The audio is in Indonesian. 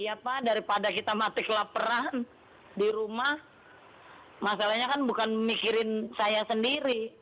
iya pak daripada kita mati kelaparan di rumah masalahnya kan bukan mikirin saya sendiri